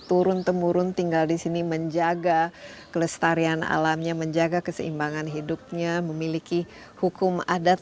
turun temurun tinggal di sini menjaga kelestarian alamnya menjaga keseimbangan hidupnya memiliki hukum adat